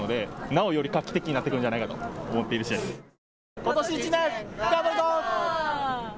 ことし１年、頑張るぞ。